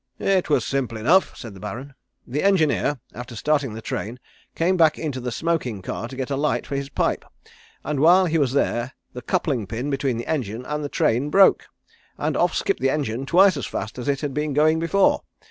"It was simple enough," said the Baron. "The engineer, after starting the train came back into the smoking car to get a light for his pipe, and while he was there the coupling pin between the engine and the train broke, and off skipped the engine twice as fast as it had been going before.